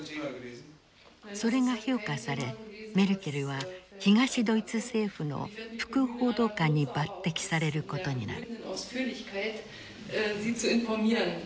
それが評価されメルケルは東ドイツ政府の副報道官に抜てきされることになる。